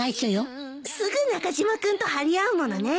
すぐ中島君と張り合うものね。